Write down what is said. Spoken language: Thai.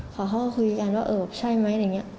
เขาก็คุยกันว่าเออใช่ไหมอะไรอย่างนี้